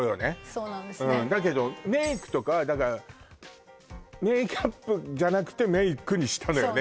そうなんですねだけど「メイク」とかはだから「メイクアップ」じゃなくて「メイク」にしたのよね